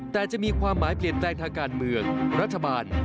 แต่จะมีความหมายเปลี่ยนแปลงทางการเมืองรัฐบาล